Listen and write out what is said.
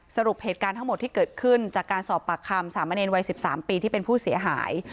สรุปเหตุการณ์ทั้งหมดที่เกิดขึ้นจากการสอบปากคำสามเณรวัย๑๓ปีที่เป็นผู้เสียหาย